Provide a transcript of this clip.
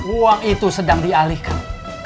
uang itu sedang dialihkan